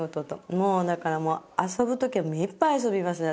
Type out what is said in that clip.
だからもう遊ぶ時は目いっぱい遊びますね